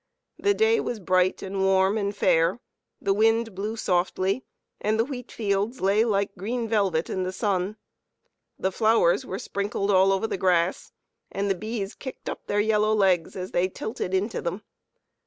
The day was bright and warm and fair; the wind blew softly, and the wheat fields lay like green velvet in the sun. The flowers were sprinkled all over the grass, and the bees kicked up their yellow legs as they tilted into them.